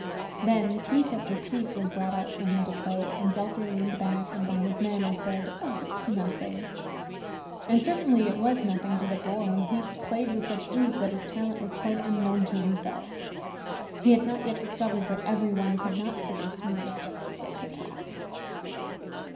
Then piece after piece was brought out for him to play, and Zelter leaned back and by his manner said, "Oh, it is nothing!" And certainly it was nothing to the boy he played with such ease that his talent was quite unknown to himself. He had not yet discovered that every one could not produce music just as they could talk.